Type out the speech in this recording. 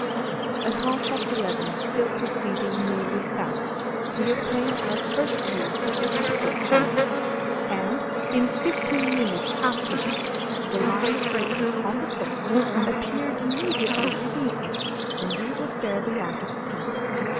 At half past eleven still proceeding nearly South, we obtained our first view of the Bristol Channel; and, in fifteen minutes afterward, the line of breakers on the coast appeared immediately beneath us, and we were fairly out at sea.